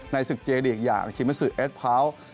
ในศึกเจริกอย่างชิมัสซึเอสพร้าว